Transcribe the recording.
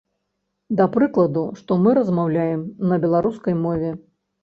Да прыкладу, што мы размаўляем на беларускай мове.